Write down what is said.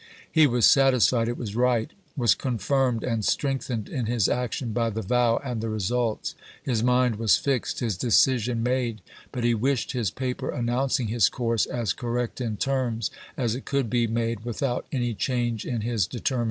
He was satisfied it was right — was confirmed and strength ened in his action by the vow and the results. His mind was fixed, his decision made, but he wished his paper announcing his course as correct in terms as it could be made without any change in his determination.